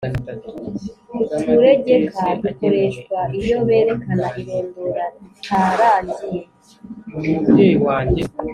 uturegeka : dukoreshwa iyo berekana irondora ritarangiye